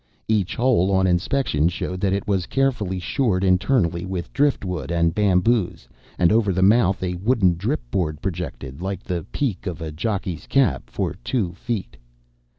Each hole on inspection showed that it was carefully shored internally with drift wood and bamboos, and over the mouth a wooden drip board projected, like the peak of a jockey's cap, for two feet.